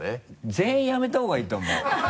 全員辞めた方がいいと思う。